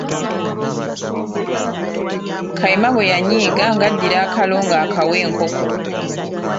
Kayima bwe yanyiiga nga addira akalo nga akawa enkoko.